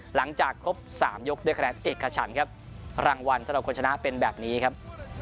หลังจากครบ๓ยกด้วยคะแนนเอกฉันครับรางวัลสำหรับคนชนะเป็นแบบนี้ครับ